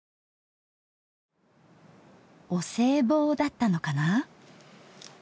お歳暮だったのかな？